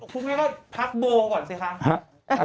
คุณแม่ก็พักโบก่อนสิคะ